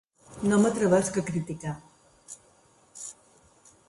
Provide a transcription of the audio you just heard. No m'atreveixo a criticar.